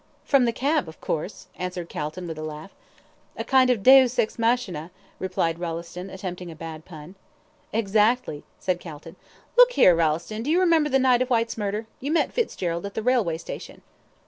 "From the cab, of course," answered Calton, with a laugh. "A kind of DEUS EX MACHINA," replied Rolleston, attempting a bad pun. "Exactly," said Calton. "Look here, Rolleston, do you remember the night of Whyte's murder you met Fitzgerald at the Railway Station."